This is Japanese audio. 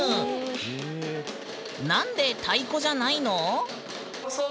何で太鼓じゃないの？